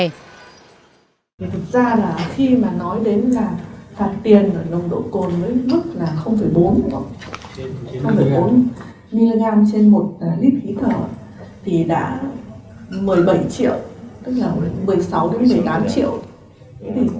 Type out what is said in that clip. thực ra là khi mà nói đến là phạt tiền ở nồng độ cồn với mức là bốn mg trên một lít khí thở thì đã một mươi bảy triệu tức là một mươi sáu một mươi tám triệu